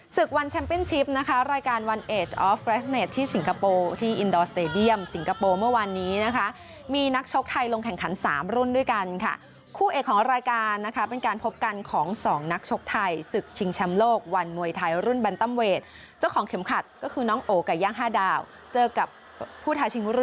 ศึกวันแชมปิ้นชิปนะคะรายการวันเอดออฟเรสเนตที่สิงคโปร์ที่อินดอร์สเตดียมสิงคโปร์เมื่อวานนี้นะคะมีนักชกไทยลงแข่งขันสามรุ่นด้วยกันค่ะคู่เอกของรายการนะคะเป็นการพบกันของสองนักชกไทยศึกชิงแชมป์โลกวันมวยไทยรุ่นแนนตัมเวทเจ้าของเข็มขัดก็คือน้องโอไก่ย่างห้าดาวเจอกับผู้ท้าชิงร